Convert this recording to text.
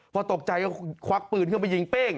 ก็ควักปืนเข้ามายิงเป้ง